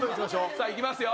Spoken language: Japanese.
さあいきますよ。